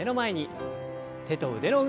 手と腕の運動から。